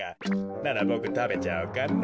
ならボクたべちゃおうかな。